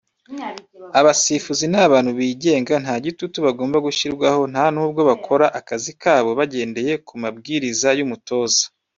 Abasifuzi ni abantu bigenga nta gitutu bagomba gushyirwaho ntanubwo bakora akazi kabo bagendeye ku mabwiriza y’umutoza